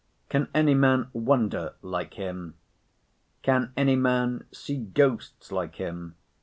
Can any man wonder, like him? can any man see ghosts, like him?